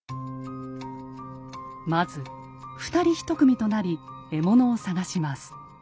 まず二人一組となり獲物を探します。